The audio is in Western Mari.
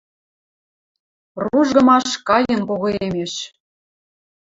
Ружгымаш кайын когоэмеш.